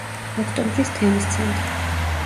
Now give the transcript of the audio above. ოქტომბრის თემის ცენტრი.